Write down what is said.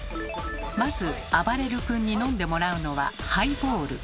まずあばれる君に飲んでもらうのはハイボール。